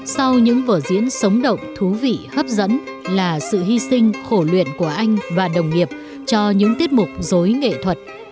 sau những vở diễn sống động thú vị hấp dẫn là sự hy sinh khổ luyện của anh và đồng nghiệp cho những tiết mục dối nghệ thuật